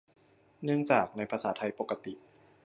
เนื่องจาก ในภาษาไทยปกติ